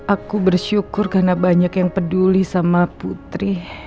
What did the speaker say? aku bersyukur karena banyak yang peduli sama putri